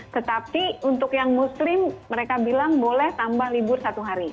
tetapi untuk yang muslim mereka bilang boleh tambah libur satu hari